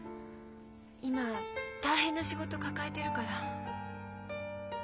今大変な仕事抱えているから。